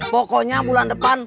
pokoknya bulan depan